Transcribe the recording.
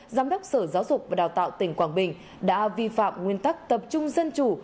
giám đốc sở giáo dục và đào tạo tỉnh quảng bình đã vi phạm nguyên tắc tập trung dân chủ